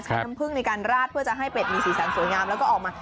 น้ำผึ้งในการราดเพื่อจะให้เป็ดมีสีสันสวยงามแล้วก็ออกมา